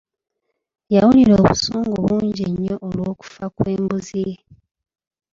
Yawulira obusungu bungi nnyo olw’okufa kw’embuzi ye.